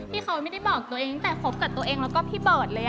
เขาไม่ได้บอกตัวเองตั้งแต่คบกับตัวเองแล้วก็พี่เบิร์ตเลย